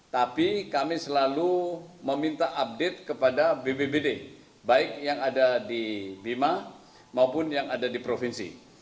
tapi kami selalu meminta update kepada bbbd baik yang ada di bima maupun yang ada di provinsi